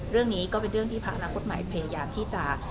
เรื่องนี้ก็เป็นเรื่องที่ภาครังกฎหมายพยายามที่จะ